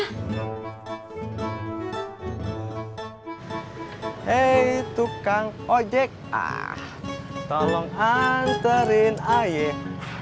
hei tukang ojek tolong hantarin ayek